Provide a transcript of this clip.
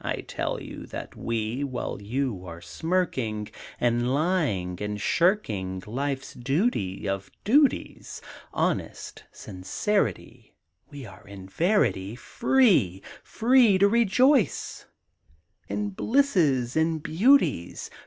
I tell you that we, While you are smirking And lying and shirking life's duty of duties, Honest sincerity, We are in verity Free! Free to rejoice In blisses and beauties!